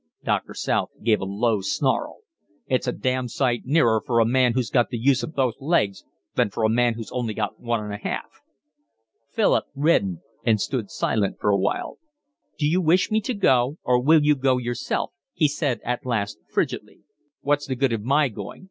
Doctor South gave a low snarl. "It's a damned sight nearer for a man who's got the use of both legs than for a man who's only got one and a half." Philip reddened and stood silent for a while. "Do you wish me to go or will you go yourself?" he said at last frigidly. "What's the good of my going?